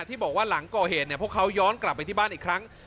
ที่บอกว่าหลังก่อเหตุเนี่ยพวกเขาย้อนกลับไปที่บ้านอีกครั้ง